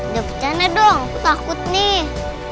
dapet jalan dong aku takut nih